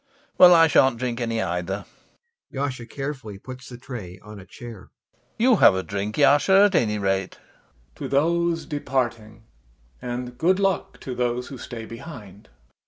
Well, I shan't drink any either. [YASHA carefully puts the tray on a chair] You have a drink, Yasha, at any rate. YASHA. To those departing! And good luck to those who stay behind!